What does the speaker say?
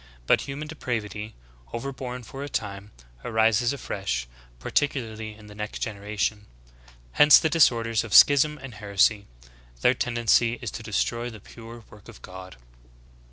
But human depravity, over born for a time, arises afresh, par ticularly in the next generation. Hence the disorders of schism and heresy. Their tendency is to destroy the pure work of God."